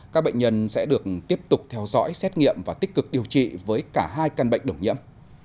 các bệnh nhân sẽ được tiếp tục theo dõi xét nghiệm và tích cực điều trị với cả hai căn bệnh đồng nhiễm